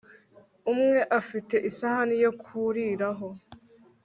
Umwe afite isahani yo kuriraho